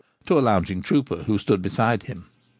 (to a lounging trooper who stood by him).